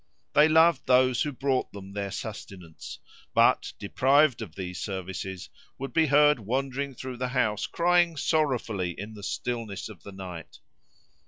They loved those who brought them their sustenance; but, deprived of these services, would be heard wandering through the house, crying sorrowfully in the stillness of the night.